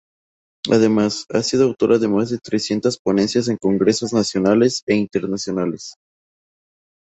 Además, ha sido autora de más de trescientas ponencias en congresos nacionales e internacionales.